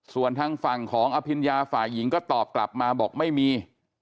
ส่วนทางฝั่งของอภิญญาฝ่ายหญิงก็ตอบกลับมาบอกไม่มี